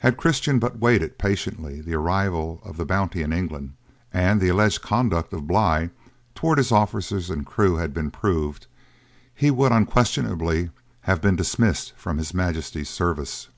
Had Christian but waited patiently the arrival of the Bounty in England, and the alleged conduct of Bligh towards his officers and crew had been proved, he would, unquestionably, have been dismissed from his Majesty's service.